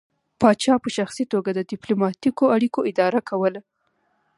پاچا په شخصي توګه د ډیپلوماتیکو اړیکو اداره کوله